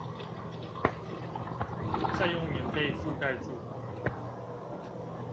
再用棉被覆蓋住